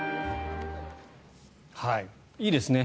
いいですね。